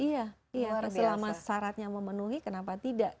iya selama syaratnya memenuhi kenapa tidak